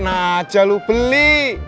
nah jauh beli